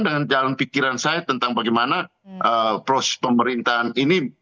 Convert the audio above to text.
dengan jalan pikiran saya tentang bagaimana proses pemerintahan ini